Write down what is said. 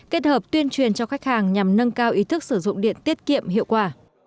kết hợp tuyên truyền cho khách hàng nhằm nâng cao ý thức sử dụng điện tiết kiệm hiệu quả